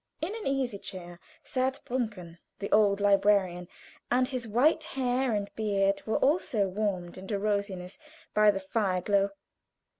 In an easy chair sat Brunken, the old librarian, and his white hair and beard were also warmed into rosiness by the fire glow.